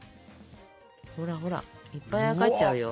ほらほらいっぱいあやかっちゃうよ。